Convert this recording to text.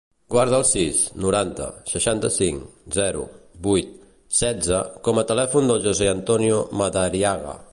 Guarda el sis, noranta, seixanta-cinc, zero, vuit, setze com a telèfon del José antonio Madariaga.